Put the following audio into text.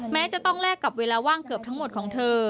แม้จะต้องแลกกับเวลาว่างเกือบทั้งหมดของเธอ